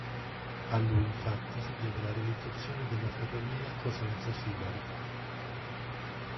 A lui infatti si deve la realizzazione della ferrovia Cosenza-Sibari.